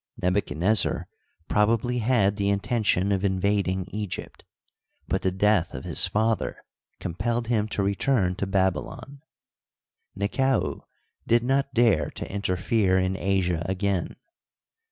Nebu chadnezzar probably had the intention of invading Egypt, but the death of his father compelled him to return to Babylon. Nekau did not dare to interfere in Asia again.